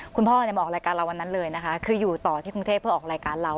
คุณพ่อมาออกรายการเราวันนั้นเลยนะคะคืออยู่ต่อที่กรุงเทพเพื่อออกรายการเรา